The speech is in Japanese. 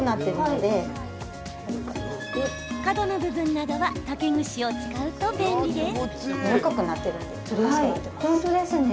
角の部分などは竹串を使うと便利です。